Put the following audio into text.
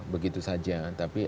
begitu saja tapi